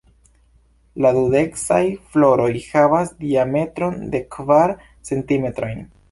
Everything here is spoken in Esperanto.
La duseksaj floroj havas diametron de kvar centimetrojn.